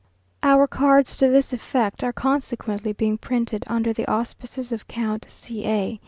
Our cards to this effect are consequently being printed under the auspices of Count C a.